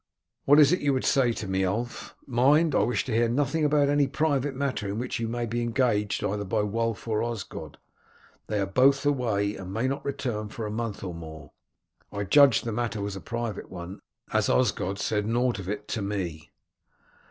"What is it you would say to me, Ulf? Mind, I wish to hear nothing about any private matter in which you may be engaged either by Wulf or Osgod. They are both away and may not return for a month or more. I judged the matter was a private one, as Osgod said nought of it to me."